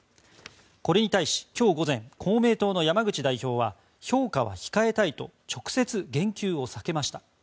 これに対し、今日午前公明党の山口代表は評価は控えたいと直接言及を避けました。